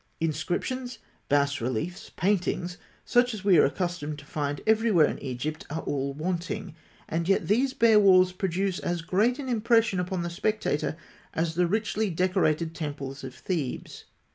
Inscriptions, bas reliefs, paintings, such as we are accustomed to find everywhere in Egypt, are all wanting; and yet these bare walls produce as great an impression upon the spectator as the most richly decorated temples of Thebes.